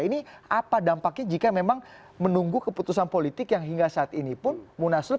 ini apa dampaknya jika memang menunggu keputusan politik yang hingga saat ini pun munaslup